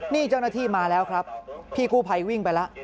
นี่เจ้าหน้าที่มาแล้วครับพี่กู้ภัยวิ่งไปแล้ว